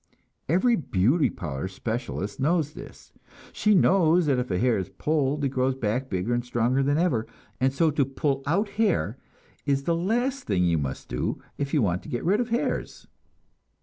Every "beauty parlor" specialist knows this; she knows that if a hair is pulled, it grows back bigger and stronger than ever, and so to pull out hair is the last thing you must do if you want to get rid of hairs!